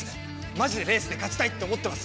まじでレースで勝ちたいって思ってます。